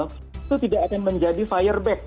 itu tidak akan menjadi fireback